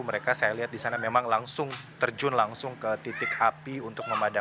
mereka saya lihat di sana memang langsung terjun langsung ke titik api untuk memadamkan